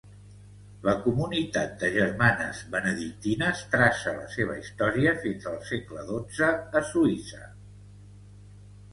La comunitat de germanes benedictines traça la seva història fins al segle XII a Suïssa.